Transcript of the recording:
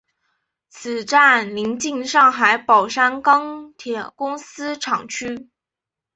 此站邻近上海宝山钢铁公司厂区。